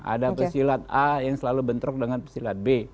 ada pesilat a yang selalu bentrok dengan pesilat b